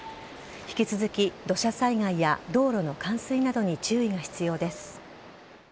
引き続き土砂災害や道路の冠水などに注意が必要です。